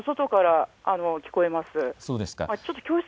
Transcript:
外から聞こえます。